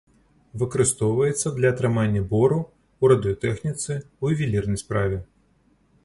Выкарыстоўваецца для атрымання бору, у радыётэхніцы, у ювелірнай справе.